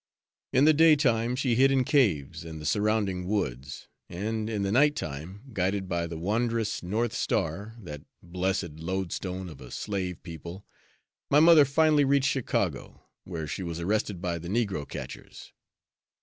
In the day time she hid in caves and the surrounding woods, and in the night time, guided by the wondrous North Star, that blessed lodestone of a slave people, my mother finally reached Chicago, where she was arrested by the negro catchers.